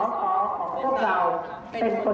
ไม่อยากให้นายอัมเทอร์เดือดร้อน